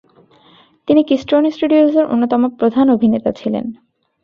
তিনি কিস্টোন স্টুডিওজের অন্যতম প্রধান অভিনেতা ছিলেন।